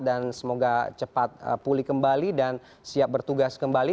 dan semoga cepat pulih kembali dan siap bertugas kembali